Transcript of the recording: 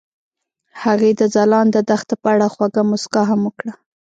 هغې د ځلانده دښته په اړه خوږه موسکا هم وکړه.